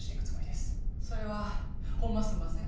それはホンマすんません。